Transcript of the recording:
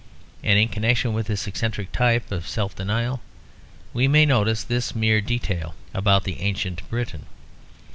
And in connection with this eccentric type of self denial, we may notice this mere detail about the Ancient Briton.